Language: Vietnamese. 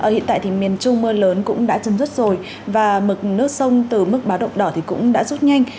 hiện tại thì miền trung mưa lớn cũng đã chấm dứt rồi và mực nước sông từ mức báo động đỏ thì cũng đã rút nhanh